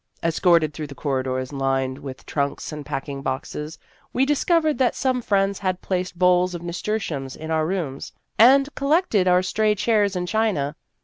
Escorted through the corridors lined with trunks and packing boxes, we discov ered that some friends had placed bowls of nasturtiums in our rooms, and collected our stray chairs and china.